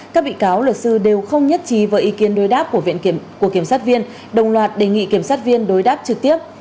các bị cáo luật sư đều không nhất trí với ý kiến đối đáp của kiểm sát viên đồng loạt đề nghị kiểm sát viên đối đáp trực tiếp